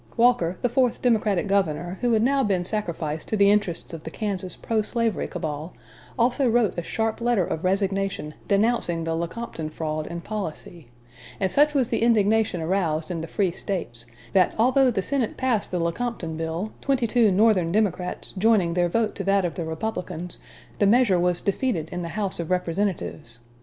Walker, the fourth Democratic governor who had now been sacrificed to the interests of the Kansas pro slavery cabal, also wrote a sharp letter of resignation denouncing the Lecompton fraud and policy; and such was the indignation aroused in the free States, that although the Senate passed the Lecompton Bill, twenty two Northern Democrats joining their vote to that of the Republicans, the measure was defeated in the House of Representatives.